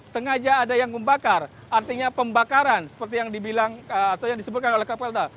sengaja ada yang membakar artinya pembakaran seperti yang disebutkan oleh kapolda